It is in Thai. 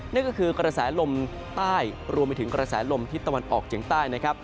นั่นก็คือกระแสลมใต้รวมไปถึงกระแสลมทิศตะวันออกเฉียงใต้นะครับ